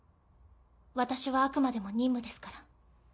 私はあくまでも任務ですから。